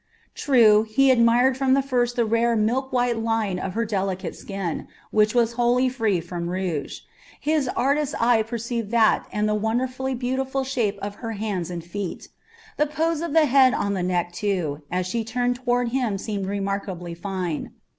True, he admired from the first the rare milk white line of her delicate skin, which was wholly free from rouge his artist eye perceived that and the wonderfully beautiful shape of her hands and feet. The pose of the head on the neck, too, as she turned toward him seemed remarkably fine.